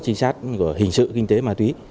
chính xác của hình sự kinh tế ma túy